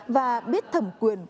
và biết thẩm quyền